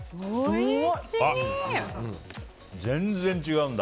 全然違うんだ。